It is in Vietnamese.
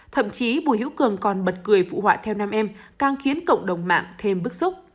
thậm chí bùi hữu cường còn bật cười phụ họa theo nam em càng khiến cộng đồng mạng thêm bức xúc